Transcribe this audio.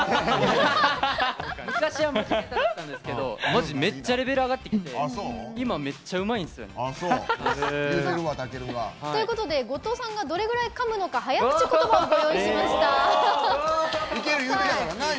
昔は下手だったんですけどマジ、めっちゃレベル上がってきて今、めっちゃうまいんですよ。ということで後藤さんがどれくらいかむのか早口言葉をご用意しました。